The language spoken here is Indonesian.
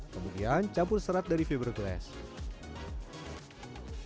kemudian campur serat dari fiberglass